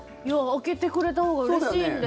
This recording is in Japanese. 明けてくれたほうがうれしいんで。